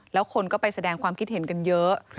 แล้วคนก็ไปแสดงความคิดเห็นกันเยอะ